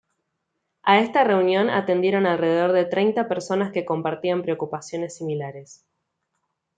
A esta reunión atendieron alrededor de treinta personas que compartían preocupaciones similares.